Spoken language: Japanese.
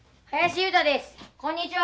こんにちは。